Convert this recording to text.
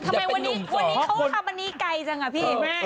ทำไมวันนี้เขาทำอันนี้ไกลจังอ่ะพี่